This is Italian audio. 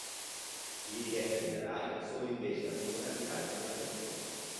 Le dirette della Rai sono invece a cura di Rai Parlamento.